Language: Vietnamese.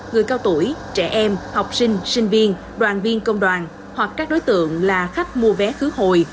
người cao tuổi trẻ em học sinh sinh viên đoàn viên công đoàn hoặc các đối tượng là khách mua vé khứ hồi